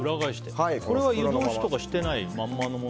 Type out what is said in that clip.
これは湯通しとかしてないまんまのもの？